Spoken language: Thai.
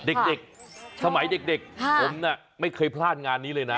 เด็กสมัยเด็กผมไม่เคยพลาดงานนี้เลยนะ